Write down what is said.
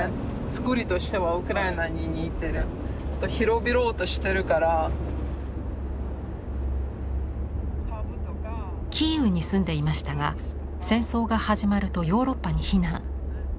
作りとしてはキーウに住んでいましたが戦争が始まるとヨーロッパに避難。